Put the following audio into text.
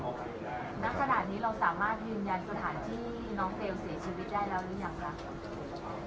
ณขณะนี้เราสามารถยืนยันสถานที่น้องเฟลล์เสียชีวิตได้แล้วหรือยังคะ